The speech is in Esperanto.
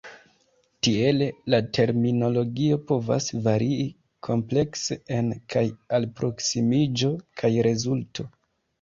Tiele, la terminologio povas varii amplekse en kaj alproksimiĝo kaj rezulto.